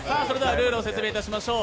ルールを説明しましょう。